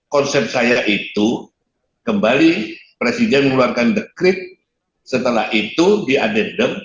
konsep saya itu kembali presiden mengeluarkan dekret setelah itu di adedem